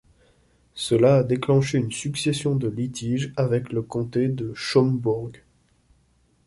Cela a déclenché une succession de litiges avec le Comté de Schaumbourg.